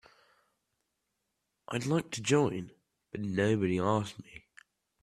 I'd like to join but nobody asked me.